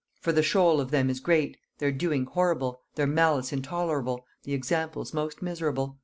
For the shoal of them is great, their doing horrible, their malice intolerable, the examples most miserable.